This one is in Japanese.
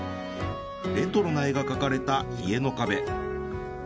レトロな絵が描かれた家の壁。